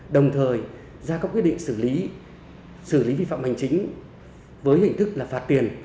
đồng thời ra các quyết định xử lý xử lý vi phạm hành chính với hình thức là phạt tiền